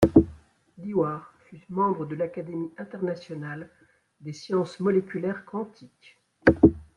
Dewar fut membre de l'Académie internationale des sciences moléculaires quantiques.